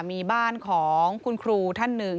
มีบ้านของคุณครูท่านหนึ่ง